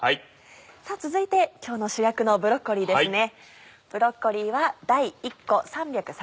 さぁ続いて今日の主役のブロッコリーですね。